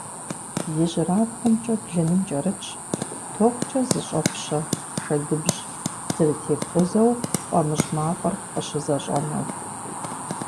ИжьырабгъумкӀэ блыным кӀэрытщ токкӀэ зыщӀэпщэ шэдыбжь – зэрытепкъузэу фӀамыщӀ мафӀэр къыщызэщӀэнэу.